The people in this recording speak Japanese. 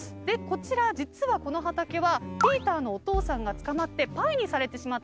こちら実はこの畑はピーターのお父さんが捕まってパイにされてしまったところで。